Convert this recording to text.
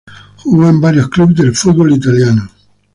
Jugó en varios clubes del fútbol italiano.